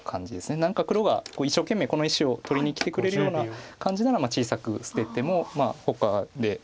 何か黒が一生懸命この石を取りにきてくれるような感じなら小さく捨ててもまあほかで。